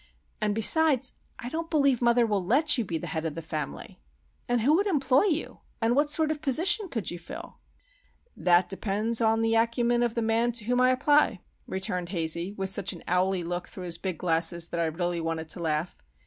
And besides, I don't believe mother will let you be the head of the family. And who would employ you? and what sort of position could you fill?" "That depends upon the acumen of the man to whom I apply," returned Hazey, with such an owly look through his big glasses that I really wanted to laugh.